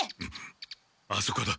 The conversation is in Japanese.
あそこだ！